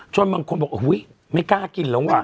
จนบางคนบอกอุ้ยไม่กล้ากินหรอกว่า